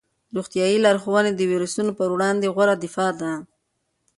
روغتیايي لارښوونې د ویروسونو په وړاندې غوره دفاع ده.